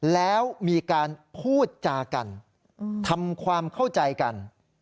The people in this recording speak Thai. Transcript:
แล้วมีการพูดจากันทำความเข้าใจกัน